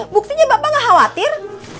buktinya bapak gak khawatir